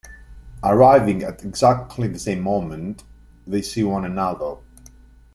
Arriving at exactly the same moment, they see one another.